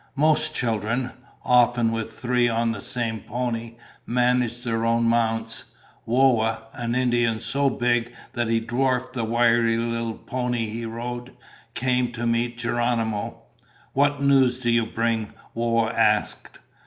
Most children, often with three on the same pony, managed their own mounts. Whoa, an Indian so big that he dwarfed the wiry little pony he rode, came to meet Geronimo. "What news do you bring?" Whoa asked.